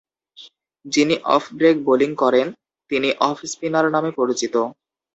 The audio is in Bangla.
যিনি অফ ব্রেক বোলিং করেন, তিনি অফ স্পিনার নামে পরিচিত।